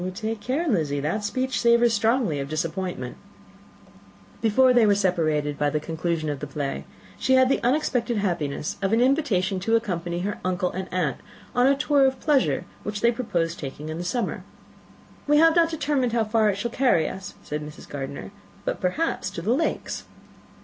"Take care, Lizzy; that speech savours strongly of disappointment." Before they were separated by the conclusion of the play, she had the unexpected happiness of an invitation to accompany her uncle and aunt in a tour of pleasure which they proposed taking in the summer. "We have not quite determined how far it shall carry us," said Mrs. Gardiner; "but perhaps, to the Lakes."